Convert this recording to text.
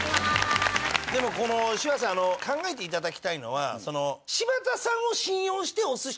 でもこの柴田さん考えていただきたいのは。